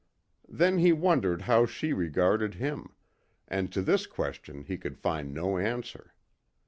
Then he wondered how she regarded him, and to this question he could find no answer.